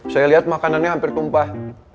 saya lihat makanannya hampir tumpah